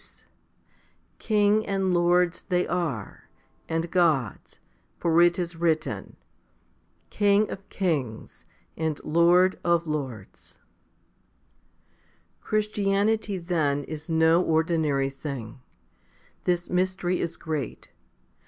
23. 202 FIFTY SPIRITUAL HOMILIES Kings and lords they are, and gods ; for it is written, King of kings, and Lord of lords. 1 4. Christianity, then, is no ordinary thing. This mystery is great.